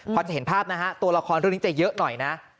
พอจะเห็นภาพนะฮะตัวละครเรื่องนี้จะเยอะหน่อยนะ